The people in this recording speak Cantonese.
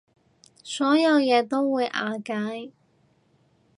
所有嘢就會瓦解